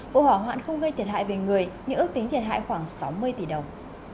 vụ hỏa hoạn không gây thiệt hại về người nhưng ước tính thiệt hại khoảng sáu mươi tỷ đồng